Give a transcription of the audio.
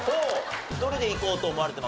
どれでいこうと思われてます？